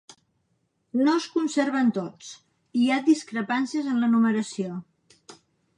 No es conserven tots, i hi ha discrepàncies en la numeració.